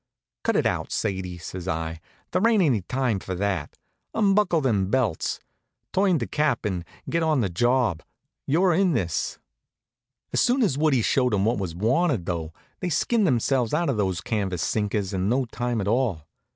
"Cut it out, Sadie!" says I. "There ain't any time for that. Unbuckle them belts. Turn to, Cap, and get on the job. You're in this." As soon as Woodie showed 'em what was wanted, though, they skinned themselves out of those canvas sinkers in no time at all.